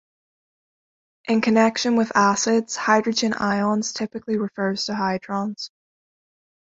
In connection with acids, "hydrogen ions" typically refers to hydrons.